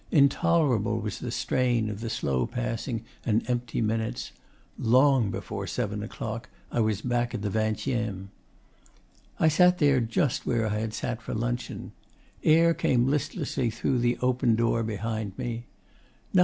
Intolerable was the strain of the slow passing and empty minutes. Long before seven o'clock I was back at the Vingtieme. I sat there just where I had sat for luncheon. Air came in listlessly through the open door behind me.